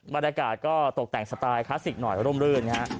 บรรยากาศก็ตกแต่งสไตล์คลาสสิกหน่อยร่มรื่นฮะ